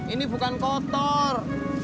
ini bukan kotor